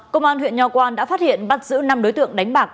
công an huyện nho quang đã phát hiện bắt giữ năm đối tượng đánh bạc